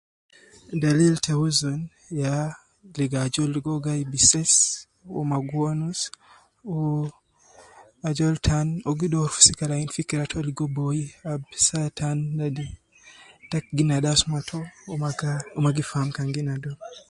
Dalil ta uzun ya ligo ajol ligo uwo gai bises, uwo ma gi wonus, wuu ajol tan uwo gidoru fi sika lain fikira too ligo boyi ab saa tan ladi tagi nadi asma too, uwo maga uwo magi faam kan gi nado